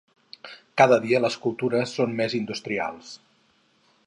Cada dia les cultures són més industrials.